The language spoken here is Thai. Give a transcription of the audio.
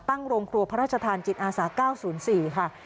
โรงครัวพระราชทานจิตอาสา๙๐๔ค่ะ